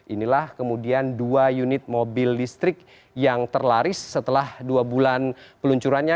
inilah kemudian dua unit mobil listrik yang terlaris setelah dua bulan peluncurannya